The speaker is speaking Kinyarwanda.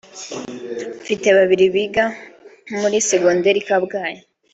mfite babiri biga muri segonderi i Kabgayi”